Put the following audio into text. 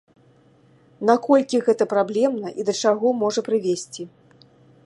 Наколькі гэта праблемна, і да чаго можа прывесці?